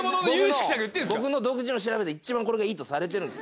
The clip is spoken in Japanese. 僕の独自の調べで一番これがいいとされてるんです。